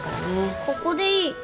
ここでいい。